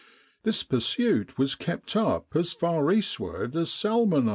This pursuit was kept up as far eastward as Salmana.